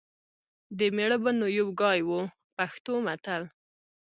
د مېړه به نو یو ګای و . پښتو متل